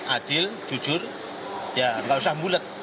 adil jujur ya nggak usah bulet